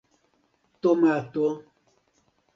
tomato